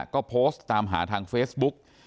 ก็โพสต์ตามหาทางเฟซบุ๊ก